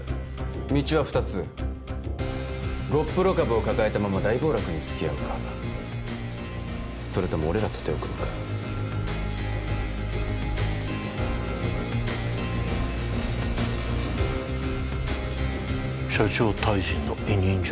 道は二つゴップロ株を抱えたまま大暴落に付き合うかそれとも俺らと手を組むか社長退陣の委任状？